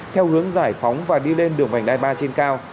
theo hướng giải phóng và đi lên đường vành đai ba trên cao